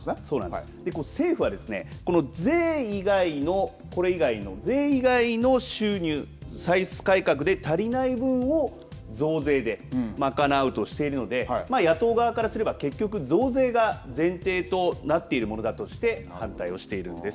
でも政府は税以外の収入、歳出改革で足りない分も増税で賄うとしているので野党側からすれば結局増税が前提となっているものだとして反対をしているんです。